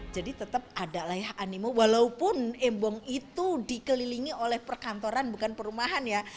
jadi tetap ada layak animo walaupun embong itu dikelilingi oleh perkantoran bukan perumahan ya